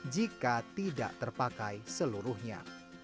jika tidak terpakai seluruhnya